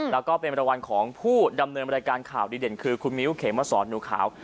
แล้วก็เป็นรางวัลของผู้ดำเนินรายการข่าวดีเด่นคือคุณมิ้วเขมสอนหนูขาว